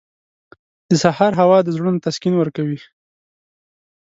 • د سهار هوا د زړونو تسکین ورکوي.